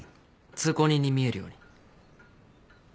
通行人に見えるように。